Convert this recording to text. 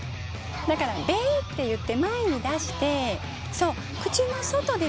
だからべって言って前に出して。